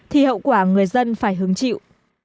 thì hậu quả người dân phải hứng chịu